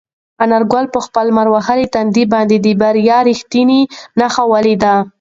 انارګل په خپل لمر وهلي تندي باندې د بریا رښتینې نښه ولیده.